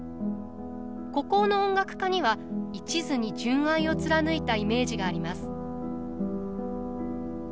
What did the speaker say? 孤高の音楽家にはいちずに純愛を貫いたイメージがあります。